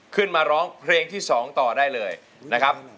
ขึ้นมาร้องเพลงที่๒ต่อได้เลยนะครับ